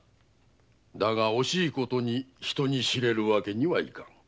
だが惜しいことに人に知れるわけにはいかぬ。